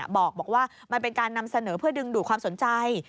บอกว่ามันเป็นการนำเสนอเพื่อดึงดูดความสนใจ